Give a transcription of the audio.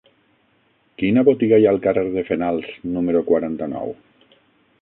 Quina botiga hi ha al carrer de Fenals número quaranta-nou?